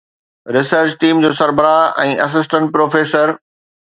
research team جو سربراهه ۽ assistant professor